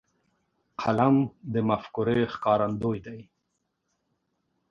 قلم د مفکورې ښکارندوی دی.